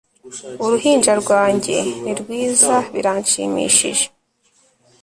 Uruhinja rwanjye ni rwiza biranshimishije